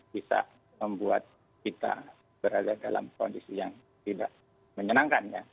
bisa membuat kita berada dalam kondisi yang tidak menyenangkan ya